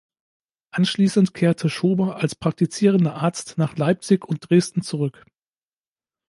Anschließend kehrte Schober als praktizierender Arzt nach Leipzig und Dresden zurück.